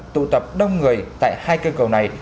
tụ tập đông người tại hai cây cầu này